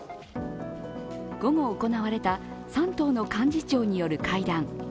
午後行われた３党の幹事長による会談。